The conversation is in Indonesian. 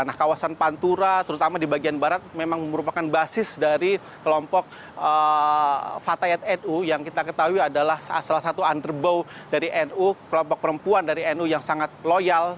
nah kawasan pantura terutama di bagian barat memang merupakan basis dari kelompok fatayat nu yang kita ketahui adalah salah satu underbow dari nu kelompok perempuan dari nu yang sangat loyal